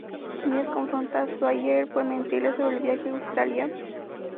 Miles confronta a Sawyer por mentirle sobre el viaje a Australia.